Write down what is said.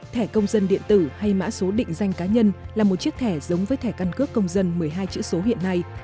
thẻ công dân điện tử hay mã số định danh cá nhân là một chiếc thẻ giống với thẻ căn cước công dân một mươi hai chữ số hiện nay